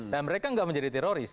dan mereka tidak menjadi teroris